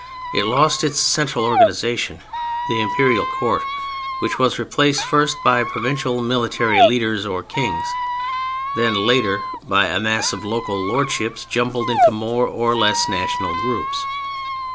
It lost its central organization, the Imperial Court (which was replaced first by provincial military leaders or "kings," then, later, by a mass of local lordships jumbled into more or less national groups).